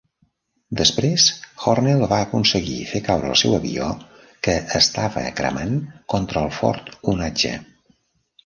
Després Hornell va aconseguir fer caure el seu avió que estava cremant contra el fort onatge.